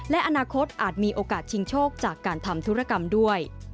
และอนาคตอาจมีโอกาสชิงโชคจากการทำธุรกรรมด้วย